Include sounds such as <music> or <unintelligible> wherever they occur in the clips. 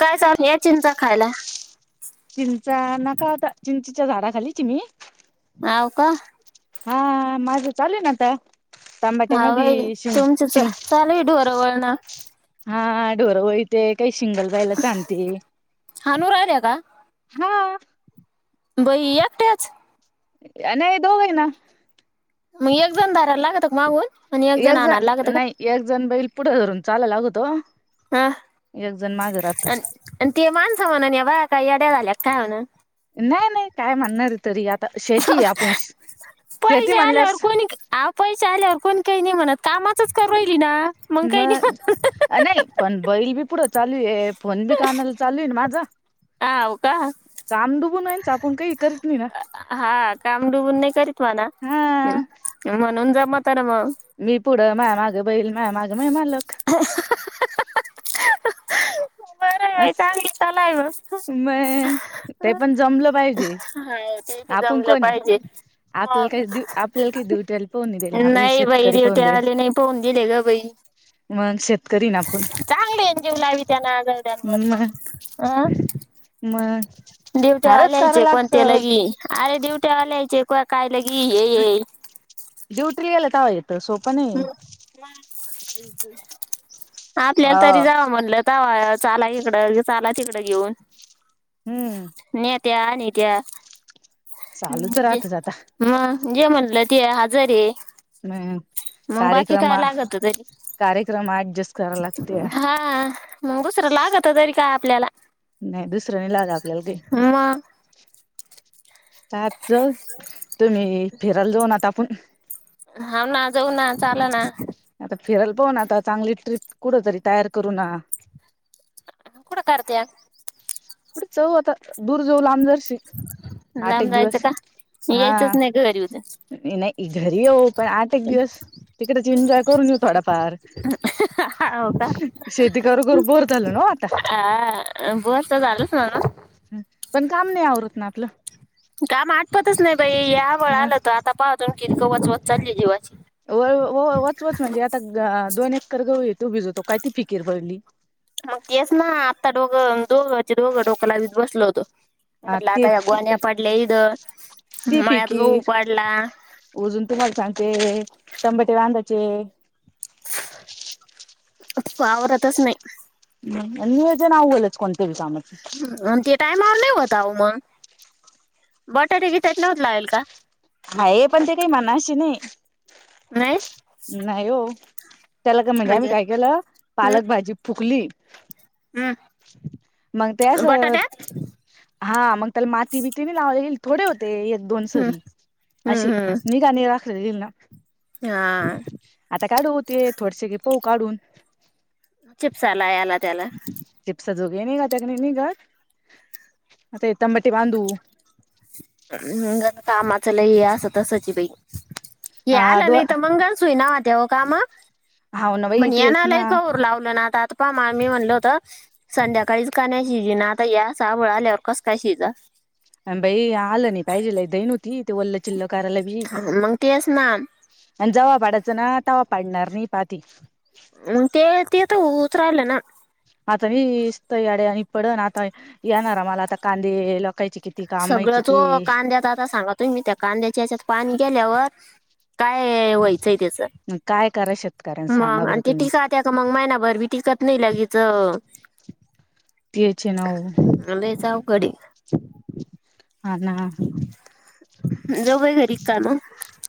काय सा या चिंचा खायला. चिंचा नको आता,, चिंचीच्या झाडा खालीच इ मी. हावका हा माझं चालुये ना आता, तांबाट्या मधी शिंग शिंग चालूय ढोरं वळनं हा ढोरं वळते काही शिंगल जायला आणते. हाणू राहिल्या का हा. बई एकट्याच? अ नाही दोघै ना. मग एक जण धराला लागतं का मागून, आणि एक जण आणाला लागतं का? एक जण बैल पुढं धरून चाला लागतं. हा,, अ आण ते माणसं म्हणन या बाया काय येड्या झाल्यात का म्हणून. नाही नाही काय म्हणणारे तरी आता, शेतीय आपस पैसेे आल्यावर कोणी, हाओ पैसे आल्यावर कोणी काही नाही म्हणत, कामाचच करु राहिली ना. काही नाही मग, म्हणत नाही पण बैल बी पुढं चालू आहे फोन बी कानाला चालू आहे न माझं. हाव का काम दुबून आहे च आपण काही करत नाही ना. डुबुन नाही करत म्हणा,, हा म्हणून जमा तर मग. मी पुढं माय मागे बैल, मा्या मागे माय मालक. र अस तलाय. <unintelligible> मग, ते पण जमलं पाहिजे. हा, ते पी आपण जमलं कोण आहे पायजेच. आपल्याला काही देऊ आपल्याला काही ड्युटीला पाहून देईल ना, आपल्याला नाही बाई शेतकरी विडीओ पाहून ते देईल आले नाही पाऊन दिले ग बाई. मग शेतकरी ना आपण. चांगले एकजीव लावी त्यांना आजवड्यांवर,, मग हां मग डुट्यावाला सारच करावं वाल्याचे कोणते लागतं लगी, अरे ड्युट्यावालाचे क काय ते लगी. ये ये ड्यूटलला तवा येत. तर सोप नाही,,, आपल्याला तरी हा. जावं म्हणलं चाला इकडं, ह्यो चाला तिकडं घेऊन,, हम्म नेत त्या नेत्या. चालूच हं, जे राहतच आता मग जे म्हणलं ते आजारी ए. मग कार्यक्रमं,, तरी कार्यक्रम अॅडजस्ट करा लागत्या. हा,, मग दुसरं लागतं तरी काय आपल्याला. नाही, दुसरं नाही लागं आपल्याला दे मग. आत जाऊ, तुम्ही फिरायला जाऊ ना आता आपण हा ना जाऊ ना चालं ना. आता फिरायला पाहु ना आता चांगली ट्रीप कुठ तरी तयार करूना. कुठे करत्यात पुढचं आता दूरदेव लांबदर्शी लांब राहायचं का यायचंच नाही घरी उद्या नाही घरी येऊ पण आठ एक दिवस तिकडच एन्जॉय करून येऊ थोडाफार हो का? शेती करू करू बर झालं ना आता अ बस तर झालं सगळ पण काम नाही आवरत ना आपल काम आठपतच नाही बाई आभाळ मग आलं होतं तर आता पाहतून कवच वचकट चालली जीवाची व वचवच म्हणजे आता दोन एकर गव येतो भिजवतो काय ती फिकीर पडली मग तेच ना आत्ता डोघं दोघं दोघं डोक्याला बसल होत आता हा म्हटलं ते आता या ती गोन्या पाडल्या इद मळ्यात गहू पाडला ऊजून सांगते तंबाटे आवरतच नाही हम्म नवज नाव ओलच कोणतेव सागत आणि ते टायमावर नाही होत मग बटाटे बिटेट लागल का हा हे पण ते काही मनाशी नाही. नाही नाही हो त्याला का म्हणजे आम्ही काय केलं हम्म पालक भाजी फुकली हम्म मग ते अस बटाट्यात हा मग त्याला माती बीतीने लाव थोडे होते एक दोन हम्म सरी अशी हम्म हम्म मी का नाही राखले गईल ना हा आता काढू होते थोडसे पाह काढून चिप्स आला याला त्याला चिप्स जोगनघ ते घालते कणी ग मी येताना बांधु ज कामाच लय हे असं तसाची बाई ये हा आला दो नाहीय तर मंगळसुय नवा तेव काम हाव ना बाई म्हण या तेच नालाय ना का होर लावलं ना आता आता मा मी म्हणल होत संध्याकाळीच का नाही शिजे ना आता या साबळ आल्यावर कसं काय शिज बाई आलं नाही पाहिजेला दई नवती ते ल्ल चिल्ल करायला बी मग तेच ना आणि जवा पाडायचं ना तवा पाडणार नाही पाहाती म ते ते तर उहित राहिल ना आता मी इसत याडे आणि पडन आता येणार मला आता कांदे लोकायची सगळं चो काद्याच आता सांगत तुम्ही त्या कांद्याच्या याच्यात पाणी गेल्यावर काय व्हायचंय त्याचं काय करा शेतकऱ्यां सांगा मग बरं आणि ते तुम्ही टीक त्याया का मग महिनाभर बी टिकत नाही लगेच तीचे नव लईच अवघड आहे हा ना जो काय घरी काम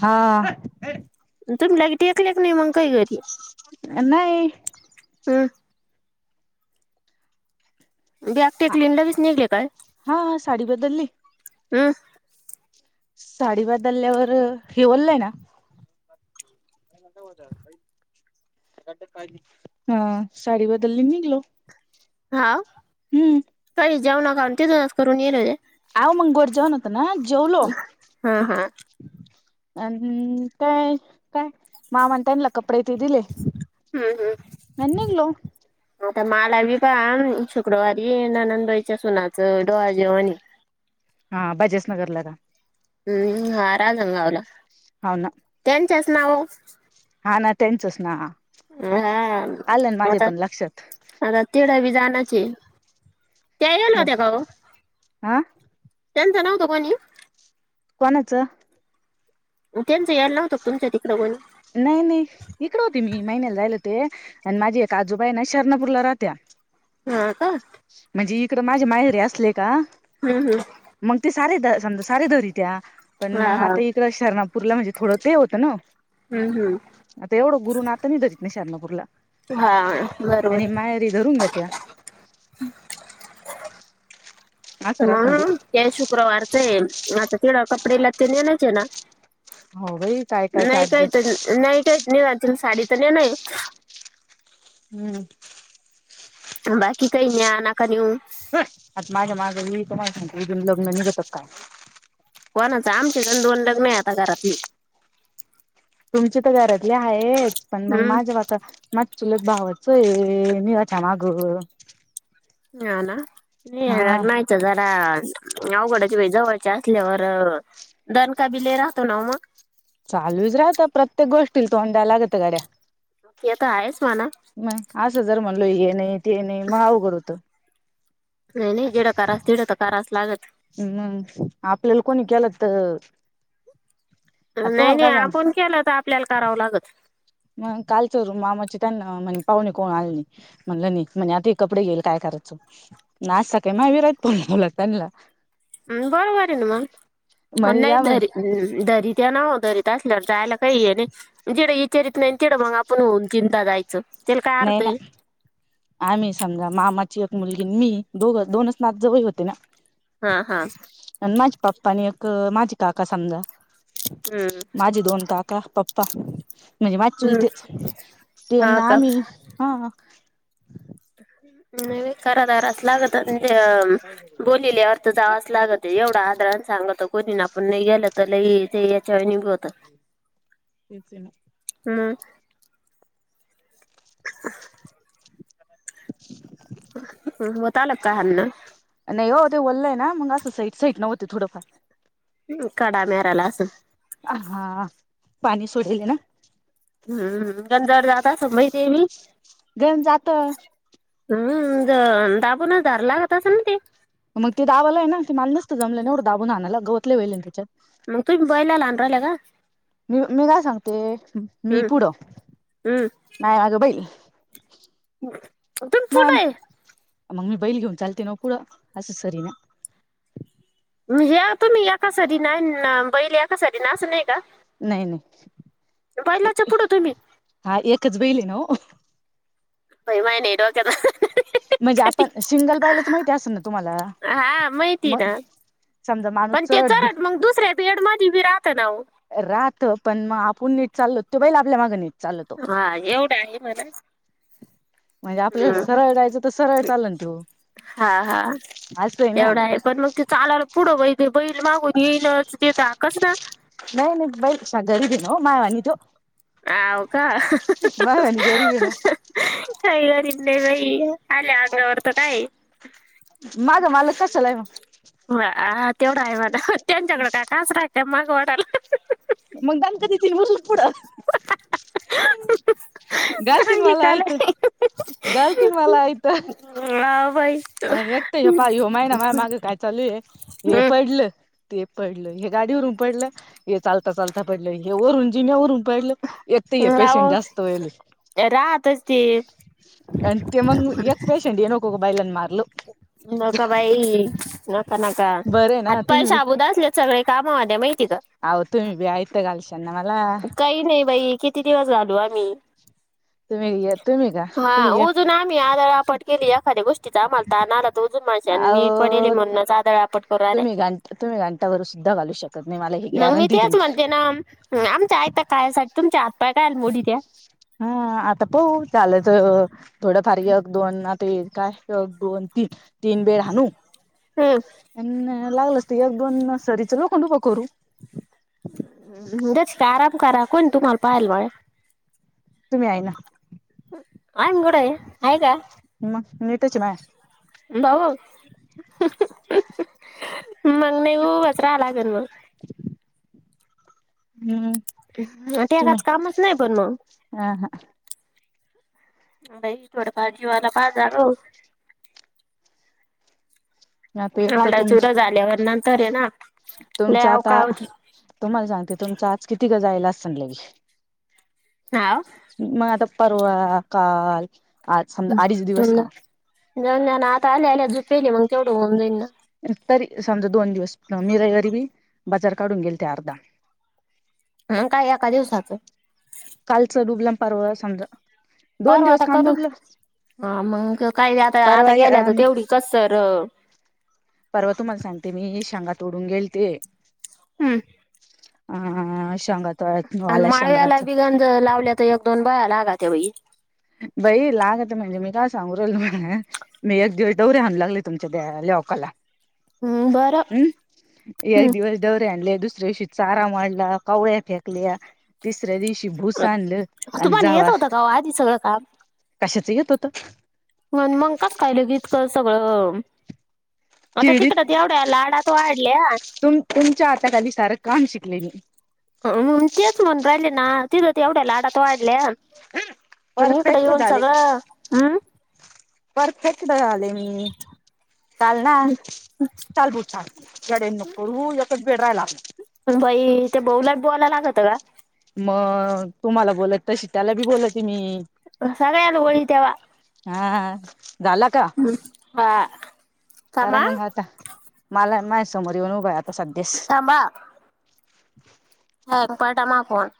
हा तुम्हीलाग टेकले क नाही मग काही घरी नाही हम् बॅग टेकलीनला बीच निघले काय हा साडी बदलली हम् साडी बदलल्यावर हेिवललंय ना हा का, हा साडी बदलली निघालो हा काही जाऊ नाका तिथूनूनच करून येईले आव मगंगोड जेवण होत ना जेवलो हम् हम अम काय काय मामा त्यांना कपडे ते दिले हा हा आणि निघलो आता माला बी प शुक्रवारी ननंदबाईच्या सुनाचं डोळ जेवण आहे हां बजाज नगरला का हम्म हा राजगावला हो ना त्यांच्याच नाव हा ना त्यांचच ना, हा आलंन माझे आता पण लक्षात आता तड बी जाण्याचे त्या याल होत्या काहो हा त्यांचं नाव तर कोणी कोणाचं त्यांचं यायलावत तुमच्या तिकडं कोणी नाही नाही इकड होती मी महिन्याला जायला होते आणि, माझी एक आजूबाई आहे ना शरणापुरला राहत्या. हा का म्हणजे इकडं माझे मायरीे असले का हम्म हम्म मग ते सारे समजा साारले धरीत्या पण हा मग हा आता इकड शर्णापूरला म्हणजे थोडं ते होतं ना हो हम् हम् आता एवढं गुरु नाता नि धरीत नाही शारनापूरला, हा बरोबर त्यांनी आहे मायारी धरून घ्याेत त्या असं म्ह राहतं ते शुक्रवारच ए आता तड कपडे लाते ने मी नाहीच ना,, हो बाई काय काय काय नाही काहीत ऍडजस्ट नाही काही नाही रा साडी तर न्यायचं आहे,, हम्म बाकी काही न्या नाका न्यू आता माझ्या मागली तर माझ सांगून लग्न नाही घेतात काय कोणाच आमचेच्याण दोन लग्न आहे आता घरातली तुमची तर घरातली आहेच पण मग हम्म माझेवता चुलत भावाचंय आहे याचं माग हा ना हा जरा अवघडची आहे जवळच्या असल्यावर दन का बि लाई राहतो ना मग, चालूच राहत प्रत्येक गोष्टी तोंडाय लागत गड्या ते तर आहेच म्हणा मग असं जर म्हणलो हे नाही ते नाही मग अवघड होतो नाही नाही जेवढं तर करा तेवढं करावंच लागतं हम्म आपल्याला कोणी केलं तर आता नाही, तुम्हाला नाही काय सांग आपण केलं तर आपल्याला करावं लागत मग कालच रूम मामाचे त्यांना म्हणे पाहुणे कोण आलेणे म्हणलं नाही म्हणजे आता हे कपडे गेले काय करायचं ना असं का विरात दोन मुला त्यांला. हम बरोबर आहे ना मग म्हणे या म्हणे नाही तरी त्या नाव दरीत असल्यावर जायला काही ये नाही जेढ विचारित नाही तेढं मग आपण होऊन चिंता जायची तेल काय नाही अर्थ ना आहे आम्ही समजा, मामाची एक मुलगी मी दोघ दोनच नातं जवळ होते ना हां, हा. आणि माझे पप्पा आणि एक माझे काका समजा, हम्म माझे दोन का का पप्पा, म्हणजे माझे हम्म चुलतेच, हा तेना का आम्ही हा. नाही कराधराच लागतं, म्हणजे बोलिल्यार. ते जावंच लागतं, एवढं आदरान सांगतं कोणीन, आपण नाही गेलं तर लई ते याच्या वानी बी होतं. तेच ये ना. उअ. <inaudible> त्याला काय हाणन. नाही ओ, ते वल्लं आहेना, मग असं सईट सईटने होते थोडंफार. हम्म, कडा मेहराला असं. हा, पाणी सोडेल आहे ना. हम हम्म, गंजा आड जात असन बाई, ते बी. गंज जातं. हम्म, ज दाबूनच धरा लागत असन ना ते. मग ते दावाला आहे ना, ते माला नसतं जमलं ना एवढं दाबून हाणायला, गवत लई होयेले ना त्याच्यात. मग तुम्ही बैलाला हाणु राहिल्या का? मी मी काय सांगते, मी हम्म पुढं, हम्म मया मागं बैल. तुम्ही पुढं मम आहे मग मी बैल घेऊन चालते ना ओ पुढं, असं सरी ना. उम, ह्या तुम्ही एका सरी नान, अन बैल एका सरी ना, असं नाही का? नाही, बैलाच्या नाही, पुढं तुम्ही हा एकच बैल आहे ना ओ. बाई, मह्या नाही डोक्यात म्हणजे आपण सिंगल बैलाच माहिती असन ना तुम्हाला, हा माहिती मग ना समजा माणूस पण ते चरड चराठ मग दुसऱ्या बेडमध्ये बी राहतं ना ओ. राहतं, पण मग आपुण नीट चाललो तेव बैल आपल्या मागं नीट चाल हा, एवढं आहे म्हणा. म्हणजे आपल्याला हम्म. सरळ जायचं तर, सरळ चालन तेव. हा, हा, तेवढं आहे, पण मग ते चालायला पुढं बाई, ते बैल मागून येईनच ते धाकच ना. नाही, नाही, बैल तसा गरीब आहे ना ओ, मह्यावानी तेव. आव का. मायवानी गरीब आहे ना काही गरीब नाही बाई, आल्या अंगावर तर काये? माघ मालक कशाला आहे मग? हा, तेवढं आहे म्हणा, त्यांच्याकडं काय कासरा आहे काय, मागं ओढायला. मग दणका देतील, होतील पुढं. घालतीन चांगली मला काल आयतं, घालतीन मला आयतं. हाव बाई. अन् एक तर हे पाहाय ह्यो माहिना मह्या माग काय चालू ये, हे हम्म पडलं. ते पडलं, हे गाडीवरून पडलं, हे चालता चालता पडलं, हे वरून जिण्यावरून पडलं, एक तर हे पेशंट राह जास्त व्हयले. राहतच ते आणि ते मग एक पेशंट हे नको का, बैलांन मार नका बाई, नका नका, बरं आहे ना हात पाय तुम्ही शाबुत असले सगळे काम होत्या, माहिती का? अहो, तुम्ही बी आयतं घालशानना मला. काही नाही बाई, किती दिवस घालू आम्ही. तुम्ही तुम्ही का हा! तुम्ही उजून आम्ही आदळआपट केली, एखाद्या गोष्टीचा आम्हाला ताण आला <unintelligible> मी पडेले अहो म्हणूनच, आदळ आपट करु राहिल्या. तुम्ही घंटा तुम्ही घंटाभर सुद्धा घालू शकत नाही मला ही मग मी गॅरंटी तेच तुमची म्हणते ना, आमच्या आयतं खायासाठी तुमचे हातपाय कायला मुडीत्या. हा! आता पळून चालल्यात. थोडंफार एक, दोन ते काय एक, दोन, तीन. तीन बेळ हाणु. <unintelligible> अन् लागलस तर, एक दोन सरीचं लोखंड उभं करु. <inaudible> तेच की, आराम करा कोण आहे तुम्हाला पाहायला मळ्यात. तुम्ही आहे ना! <unintelligible> मग <unintelligible> भाऊ! मला नाही ब उभाच राहायं लागल मग. <unintelligible> तुम्ही टेकाच कामच नाही. पण मग, ह हा बाई थोडं फार जीवाला पहा <unintelligible> आता एक तर चुरा झाल्यावर नंतर हय ना तुमच लय आता, अवकाळ होती तुम्हाला सांगते तुमचं आज किती का <unintelligible> हावं! मग आता परवा, काल आज समजा अडीच दिवस काम जाऊंद्या ना आता आल्या आल्या दूध पिलं मग तेवढं होऊन जाईन ना! तरी, समजा दोन दिवस मी रविवारी बी बाजार काढून गेलते अर्धा. हं! काय एका दिवसाचं. कालचं डुबला, अन परवा समजा दोन परवा दिवस आता काम करून, डुबलं ह मंग काही आता, आता गेल्या परवा तर तेवढी कसर परवा! तुम्हाला सांगते मी शेंगा तोडून गेल ते हं! अ.. शेंगात आणि माळव्याला बि गणज लावल्या, तर एक दोन बायालागा ते बाई बाई लागत्या म्हणजे, मी काय सांगू राहिले, तुम्हाला मी एक दिवस दौरे हाणू लागले, तुमच्या दे लौकाला. हम्म बरं हम्म! एक हम्म दिवस दौरे हाणले, दुसऱ्या दिवशी चारा मांडला, कवळ्या फेकल्या तिसऱ्या दिवशी भूस आणलं आणि जावा हो! आधी सगळं काम कशाच येत होत! होय मग कसं काय, लगी इतकं सगळं आता किडीत तिकडं एवढ्या लाडात वाढलिया. तुम तुमच्या हाता खाली सारं काम शिकले मी, हम्म! तेच म्हणू राहिले ना, तिथं तरं एवढ्या लाडात वाढल्या पण इकडे परफेक्ट येऊन झाले सगळं, हम्म! परफेक्ट झाले मी! चालंना, चालं बू चालं, येड्यावनी नको करु, एकच बेड राहिला. बाई त्या भाऊलाच बोलायं लागत का? मग तुम्हाला बोलतं, तशी त्याला बी बोलते मी. सगळ्यांना वळी तेव्हा. हा झाला का? हं. हा करा थांबा मग आता. मला माह्या समोर येउन उभा हे आता सध्यास. थांबा. <unintelligible>